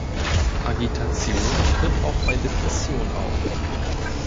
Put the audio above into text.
Agitation tritt auch bei Depression auf.